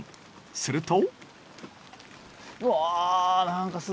すると。